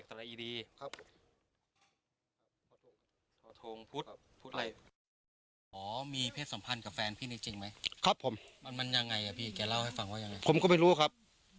อะไรอ๋อมีเพศสัมพันธ์กับแฟนพี่นี้จริงไหมครับผมมันมันยังไงอ่ะพี่แกเล่าให้ฟังว่ายังไงผมก็ไม่รู้ครับ